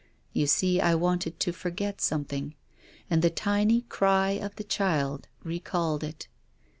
You see I wanted to forget some thing. And the tiny cry of the child recalled it.